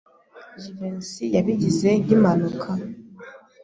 Jivency yabigize nkimpanuka.